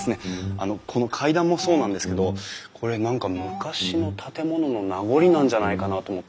あのこの階段もそうなんですけどこれ何か昔の建物の名残なんじゃないかなと思って。